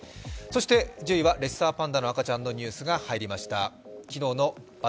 １０位はレッサーパンダの赤ちゃんのニュースが入りました。